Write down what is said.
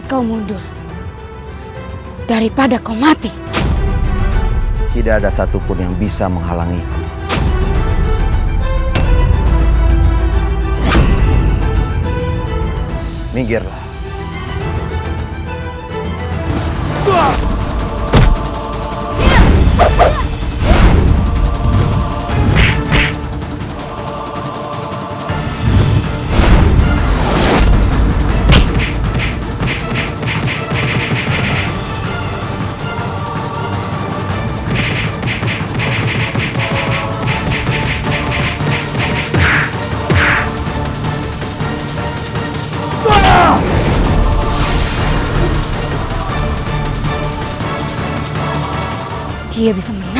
kalau kalian masih sayang dengan nyawa kalian